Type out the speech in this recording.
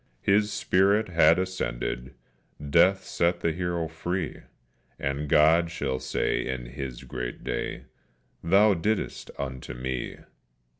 His spirit had ascended, death set the hero free, And God shall say in His great day, "_Thou didst it unto Me!